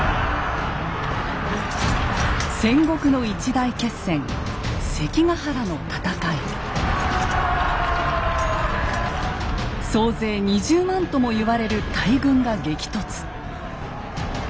戦国の一大決戦総勢２０万とも言われる大軍が激突。